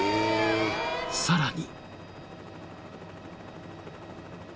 ［さらに］